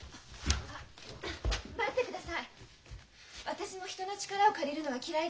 私も人の力を借りるのは嫌いです。